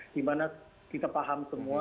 dimana kita paham semua